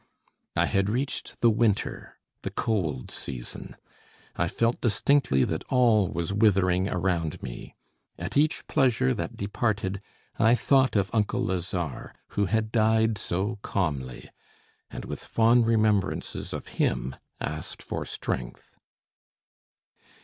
I had reached the winter, the cold season. I felt distinctly that all was withering around me. At each pleasure that departed, I thought of uncle Lazare, who had died so calmly; and with fond remembrances of him, asked for strength.